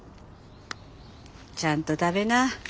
ちゃんと食べな。